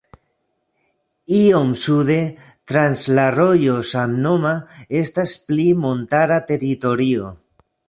Iom sude, trans la rojo samnoma, estas pli montara teritorio.